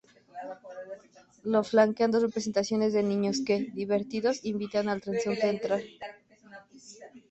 Lo flanquean dos representaciones de niños que, divertidos, invitan al transeúnte a entrar.